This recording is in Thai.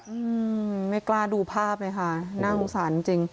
อืมไม่กล้าดูภาพเลยค่ะน่าสงสารจริงจริง